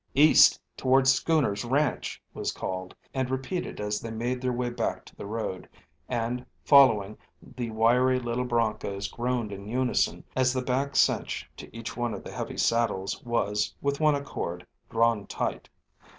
"East, toward Schooner's ranch," was called and repeated as they made their way back to the road; and, following, the wiry little bronchos groaned in unison as the back cinch to each one of the heavy saddles, was, with one accord, drawn tight.